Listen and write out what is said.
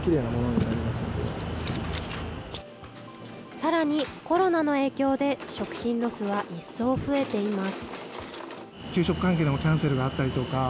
さらに、コロナの影響で食品ロスは一層増えています。